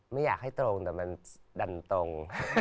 ไม่อยากให้ตรงแต่มันดันตรง